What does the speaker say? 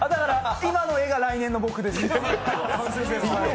今の絵が来年の僕です。